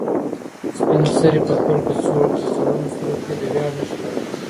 سپین سرې په خپل کڅوړنو سترګو کې د ویاړ نښې لرلې.